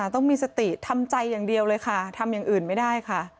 ต้องมีสติทำใจอย่างเดียวเลยค่ะทำอย่างอื่นไม่ได้ค่ะ